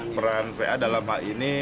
peran va dalam hal ini